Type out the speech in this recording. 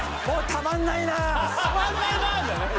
「たまんないなー」じゃない！